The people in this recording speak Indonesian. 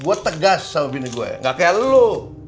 gua tegas sama bini gua ya ga kaya lu